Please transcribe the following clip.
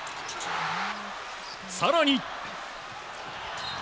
更に。